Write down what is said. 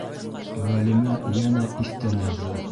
- Ғәлимә йәнә иҫтән яҙҙы.